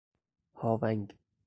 هاونگ